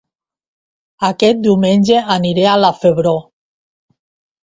Aquest diumenge aniré a La Febró